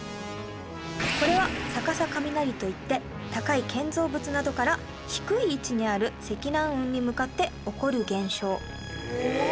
これは逆さ雷といって高い建造物などから低い位置にある積乱雲に向かって起こる現象